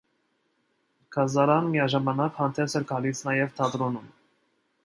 Գազզարան միաժամանակ հանդես էր գալիս նաև թատրոնում։